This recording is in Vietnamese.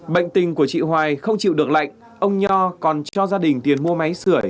bệnh tình của chị hoài không chịu được lạnh ông nho còn cho gia đình tiền mua máy sửa